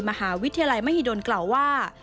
มหาวิทยาลัยมหิดลกล่าวว่า